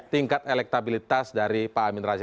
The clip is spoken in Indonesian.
tingkat elektabilitas dari pak amin rais